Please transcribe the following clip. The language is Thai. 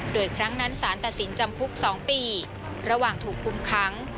โดยครั้งนั้นสารตัดสินจำคุก๒ปีระหว่างถูกคุมค้าง